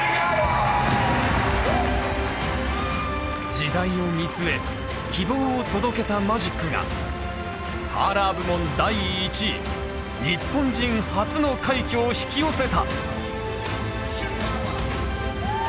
時代を見据え希望を届けたマジックがパーラー部門第１位日本人初の快挙を引き寄せた。